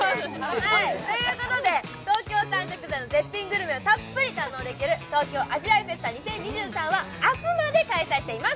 ということで東京産野菜グルメをたっぷり楽しむことができる東京味わいフェスタ２０２３は明日まで開催しています。